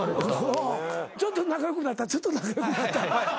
ちょっと仲良くなったちょっと仲良くなった。